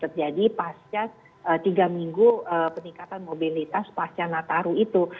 peningkatan ini akan terjadi pasca tiga minggu peningkatan mobilitas pasca nataru itu